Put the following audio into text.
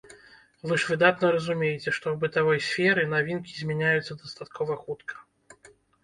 Вы ж выдатна разумееце, што ў бытавой сферы навінкі змяняюцца дастаткова хутка.